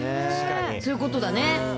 そういうことだね。